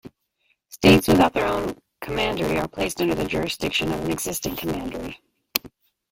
States without their own Commandery are placed under the jurisdiction of an existing Commandery.